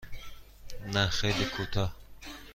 نه خیلی کوتاه.